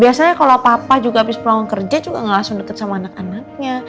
biasanya kalau papa juga abis peluang kerja juga gak langsung deket sama anak anaknya